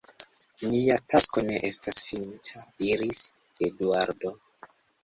Nia tasko ne estas finita, diris Eduardo.